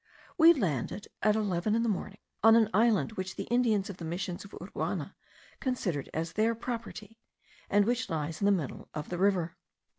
We landed, at eleven in the morning, on an island which the Indians of the Missions of Uruana considered as their property, and which lies in the middle of the river.